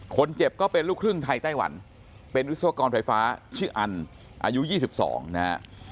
ก็เป็นลูกครึ่งไทยไต้หวันเป็นวิศวกรไฟฟ้าชื่ออันอายุ๒๒นะฮะ